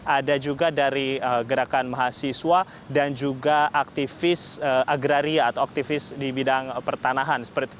ada juga dari gerakan mahasiswa dan juga aktivis agraria atau aktivis di bidang pertanahan